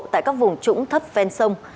tại các vùng trũng thấp ven sông